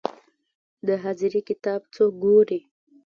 د حاضري کتاب څوک ګوري؟